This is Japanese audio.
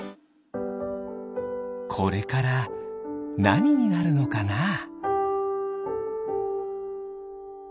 これからなにになるのかな。